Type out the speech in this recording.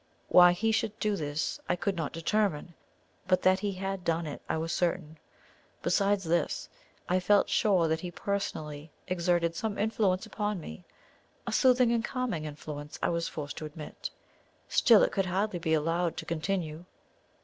Why he should do this I could not determine; but that he had done it I was certain. Besides this, I felt sure that he personally exerted some influence upon me a soothing and calming influence I was forced to admit still, it could hardly be allowed to continue.